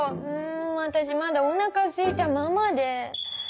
わたしまだおなかすいたままで。